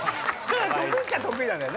だから得意っちゃ得意なんだよ。